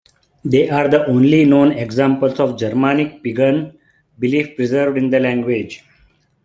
They are the only known examples of Germanic pagan belief preserved in the language.